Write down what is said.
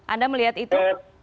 anda melihat itu